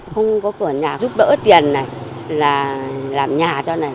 không có cửa nhà giúp đỡ tiền này là làm nhà cho này